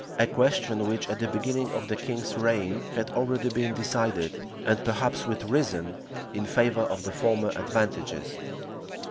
a question which, at the beginning of the king's reign, had already been decided, and perhaps with reason, in favor of the former advantages.